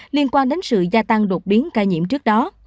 liên quan đến sự gia tăng đột biến ca nhiễm trước đó